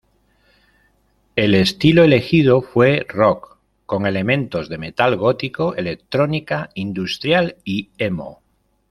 El estilo elegido fue rock con elementos de metal gótico, electrónica, industrial y emo.